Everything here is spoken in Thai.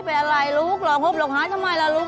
เป็นอะไรลูกเหลือคลมหับหล่องไห้ทำไมล่ะลูก